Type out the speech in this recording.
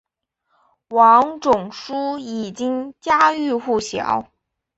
王仲殊已经家喻户晓。